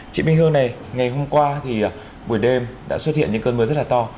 chị minh hương này ngày hôm qua thì buổi đêm đã xuất hiện những cơn mưa rất là to